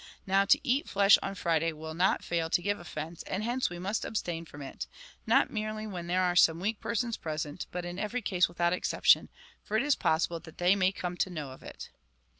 Now to eat flesh on Friday will not fail to give offence, and hence we must abstain from it, not merely when there are some weak persons present, but in every case without exception, for it is possible that they may come to know of it."